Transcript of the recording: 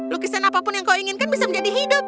lukisan apapun yang kau inginkan bisa menjadi hidup